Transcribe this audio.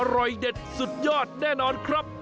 อร่อยเด็ดสุดยอดแน่นอนครับ